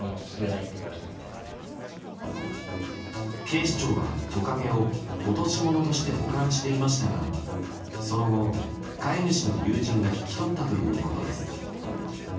警視庁はトカゲを落とし物として保管していましたがその後、飼い主の友人が引き取ったということです。